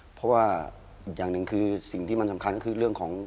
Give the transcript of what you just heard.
เพราะว่าอีกอย่างหนึ่งคือสิ่งที่มันสำคัญก็คือเรื่องของ